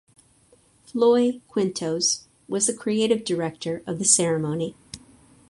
Floy Quintos was the creative director of the ceremony.